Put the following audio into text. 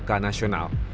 dan perangkat nasional